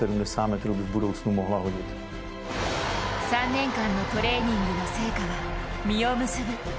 ３年間のトレーニングの成果は実を結ぶ。